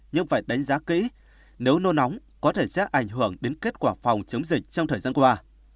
nhưng phải đánh giá kỹ nếu nô nóng có thể sẽ ảnh hưởng đến kết quả phòng chống dịch trong thời gian qua